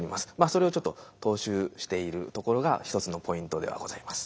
それをちょっと踏襲しているところが一つのポイントではございます。